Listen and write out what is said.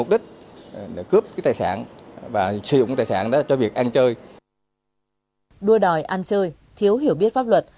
để tiếp tục làm sao